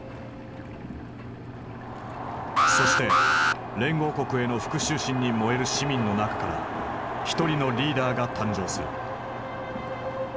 そして連合国への復讐心に燃える市民の中から一人のリーダーが誕生する。